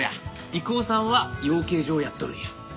郁夫さんは養鶏場をやっとるんや。